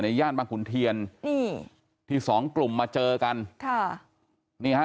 ย่านบางขุนเทียนนี่ที่สองกลุ่มมาเจอกันค่ะนี่ฮะ